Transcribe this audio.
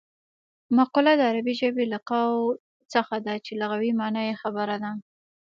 مقوله د عربي ژبې له قول څخه ده چې لغوي مانا یې خبره ده